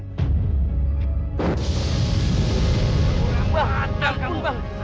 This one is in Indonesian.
ya sudah democr